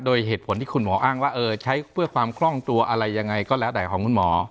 โดยเหตุผลที่คุณหมออ้างว่าใช้เพื่อความคล่องตัวอะไรยังไงก็แล้วแต่ของคุณหมอ